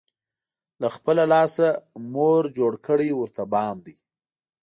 له خپل لاسه، مور جوړ کړی ورته بام دی